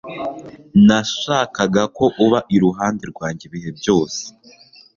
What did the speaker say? nashakaga ko uba iruhande rwanjye ibihe byose